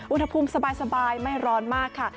อุณหภูมิสบายไม่ร้อนมากค่ะ